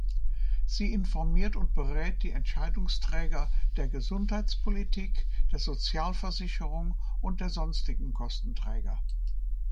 Sie informiert und berät die Entscheidungsträger der Gesundheitspolitik, der Sozialversicherung und der sonstigen Kostenträger.